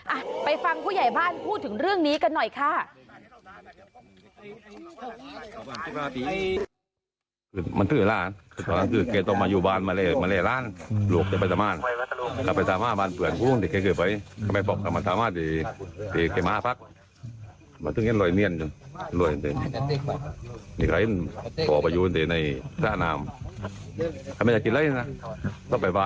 อ่ะไปฟังผู้ใหญ่บ้านพูดถึงเรื่องนี้กันหน่อยค่ะ